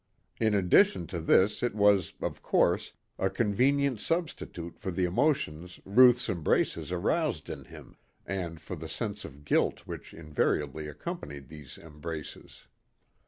In addition to this it was, of course, a convenient substitute for the emotions Ruth's embraces aroused in him and for the sense of guilt which invariably accompanied these embraces.